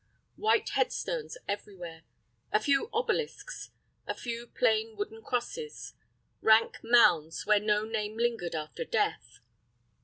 White headstones everywhere; a few obelisks; a few plain wooden crosses; rank mounds where no name lingered after death.